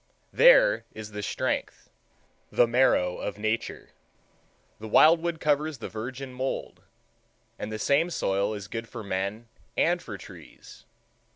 There is the strength, the marrow, of Nature. The wild wood covers the virgin mould,—and the same soil is good for men and for trees.